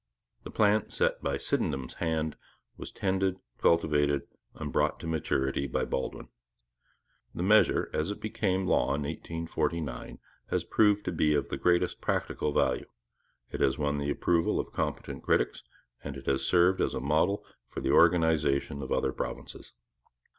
The plant set by Sydenham's hand was tended, cultivated, and brought to maturity by Baldwin. The measure, as it became law in 1849, has proved to be of the greatest practical value; it has won the approval of competent critics; and it has served as a model for the organization of other provinces.